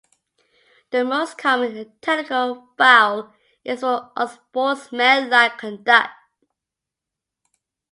The most common technical foul is for unsportsmanlike conduct.